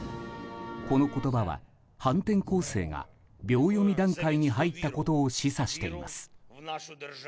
この言葉は、反転攻勢が秒読み段階に入ったことを示唆しています。